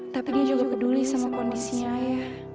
tapi dia juga peduli sama kondisinya ya